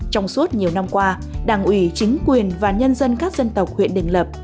trong suốt nhiều năm qua đảng ủy chính quyền và nhân dân các dân tộc huyện đình lập